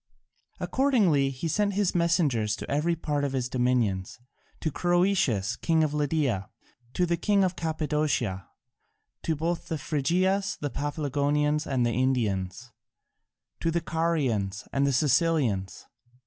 Accordingly he sent his messengers to every part of his dominions: to Croesus, king of Lydia, to the king of Cappadocia, to both the Phrygias, to the Paphlagonians and the Indians, to the Carians and the Cilicians.